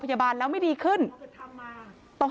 พี่ทีมข่าวของที่รักของ